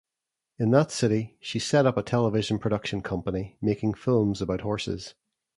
In that city, she set up a television production company, making films about horses.